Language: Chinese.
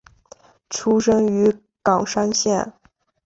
出身于冈山县。